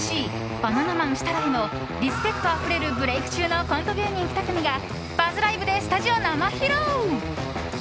バナナマン設楽へのリスペクトあふれるブレーク中のコント芸人２組がＢＵＺＺＬＩＶＥ！でスタジオ生披露。